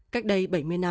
cách đây bảy mươi năm